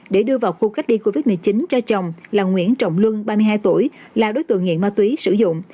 để đưa vào khu cách ly covid một mươi chín cho chồng là nguyễn trọng luân ba mươi hai tuổi là đối tượng nghiện ma túy sử dụng